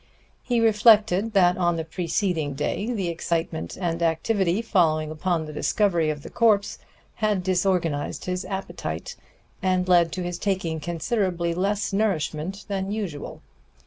He reflected that on the preceding day the excitement and activity following upon the discovery of the corpse had disorganized his appetite and led to his taking considerably less nourishment than usual.